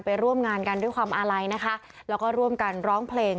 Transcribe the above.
ร่วมงานกันด้วยความอาลัยนะคะแล้วก็ร่วมกันร้องเพลง